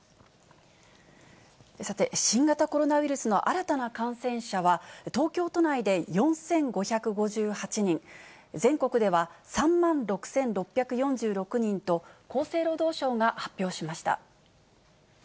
さて、新型コロナウイルスの新たな感染者は、東京都内で４５５８人、全国では３万６６４６人と、厚生労働省が発表しました。